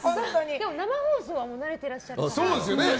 でも生放送は慣れていらっしゃるから。